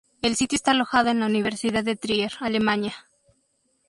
El sitio está alojado en la Universidad de Trier, Alemania.